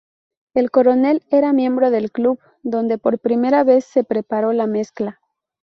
El coronel era miembro del club donde por primera vez se preparó la mezcla.